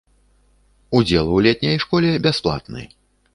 Удзел у летняй школе бясплатны.